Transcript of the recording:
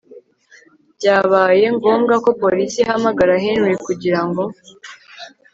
byabaye ngombwa ko Police ihamagara Henry kugira ngo